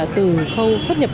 từ khâu xuất nhập